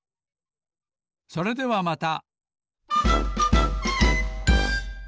それではまた。